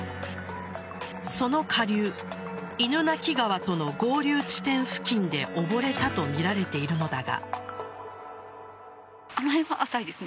その下流犬鳴川との合流地点付近で溺れたとみられているのだが。